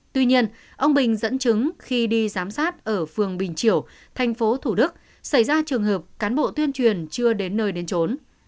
tuy nhiên ông bình dẫn chứng khi đi giám sát ở phường bình triều thành phố thủ đức xảy ra trường hợp cán bộ tuyên truyền chưa đến nơi đến trốn